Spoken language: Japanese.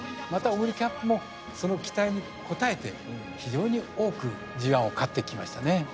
またオグリキャップもその期待に応えて非常に多くＧⅠを勝ってきましたね。